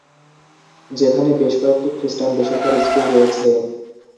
যেখানে বেশ কয়েকটি খ্রিস্টান বেসরকারী স্কুল রয়েছে।